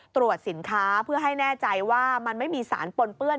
ตรวจสินค้าเพื่อให้แน่ใจว่ามันไม่มีสารปนเปื้อน